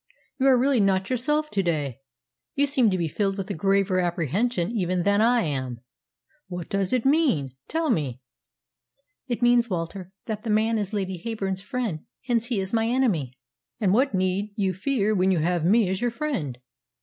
You are really not yourself to day. You seem to be filled with a graver apprehension even than I am. What does it mean? Tell me." "It means, Walter, that that man is Lady Heyburn's friend; hence he is my enemy." "And what need you fear when you have me as your friend?"